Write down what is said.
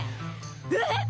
えっ？